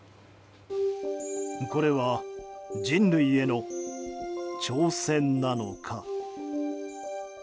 これは、人類への挑戦なのか？